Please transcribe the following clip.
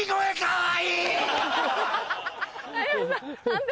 はい。